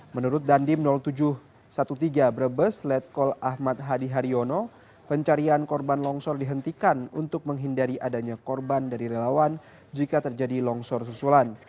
menurut dandim tujuh ratus tiga belas brebes letkol ahmad hadi haryono pencarian korban longsor dihentikan untuk menghindari adanya korban dari relawan jika terjadi longsor susulan